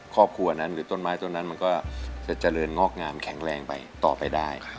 ครอบครัวนั้นหรือต้นไม้ต้นนั้นมันก็จะเจริญงอกงามแข็งแรงไปต่อไปได้